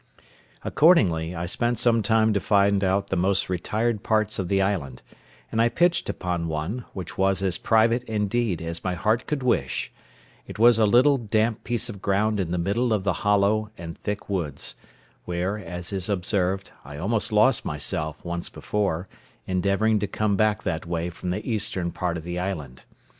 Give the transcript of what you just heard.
Accordingly, I spent some time to find out the most retired parts of the island; and I pitched upon one, which was as private, indeed, as my heart could wish: it was a little damp piece of ground in the middle of the hollow and thick woods, where, as is observed, I almost lost myself once before, endeavouring to come back that way from the eastern part of the island.